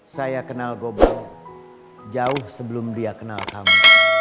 saya kenal gobel jauh sebelum dia kenal kamu